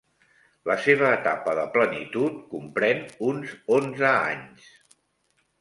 La seva etapa de plenitud comprèn uns onze anys.